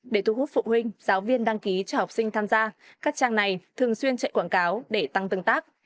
để thu hút phụ huynh giáo viên đăng ký cho học sinh tham gia các trang này thường xuyên chạy quảng cáo để tăng tương tác